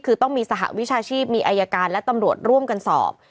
คือต้องมีสหวิชาชีพมีอายการและตำรวจร่วมกันสอบ